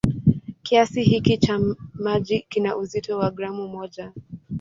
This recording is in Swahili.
Kiasi hiki cha maji kina uzito wa gramu moja.